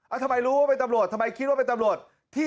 ทำไมรู้ว่าเป็นตำรวจทำไมคิดว่าเป็นตำรวจ